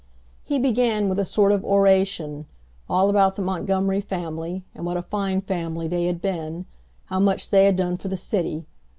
He began with a sort of oration, all about the Montgomery family, and what a fine family, they had been, how much they had done for the city!